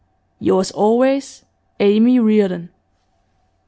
'Yours always, 'AMY REARDON.